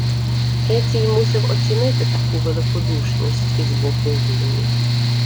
Ецій мусив оцінити таку великодушність із боку гунів.